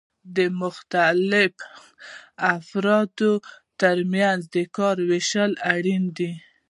د مختلفو افرادو ترمنځ د کار ویشل اړین دي.